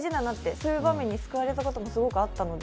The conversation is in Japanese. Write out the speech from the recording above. そういう場面に救われたこともすごくあったので。